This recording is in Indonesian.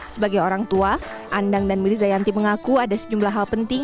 sebagai orang tua andang dan miliza yanti mengaku ada sejumlah hal penting